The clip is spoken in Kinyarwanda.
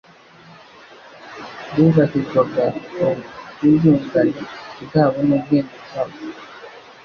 bubahirwaga ubuturugane bwabo n'ubwenge bwabo.